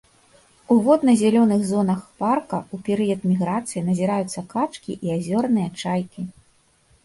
У водна-зялёных зонах парка ў перыяд міграцыі назіраюцца качкі і азёрныя чайкі.